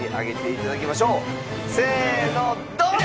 せーのドン！